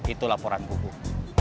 itu laporan gugum